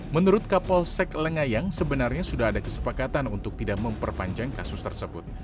menurut kapolsek lengayang sebenarnya sudah ada kesepakatan untuk tidak memperpanjang kasus tersebut